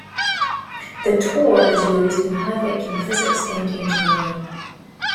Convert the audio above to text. The torr is used in high-vacuum physics and engineering.